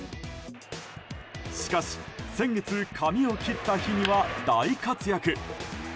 しかし先月髪を切った日には大活躍。